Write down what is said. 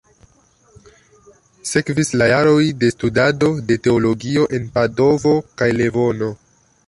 Sekvis la jaroj de studado de teologio en Padovo kaj Loveno.